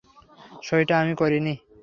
সইটা আমি করিনি।